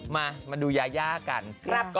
มามาดูยายากันครับ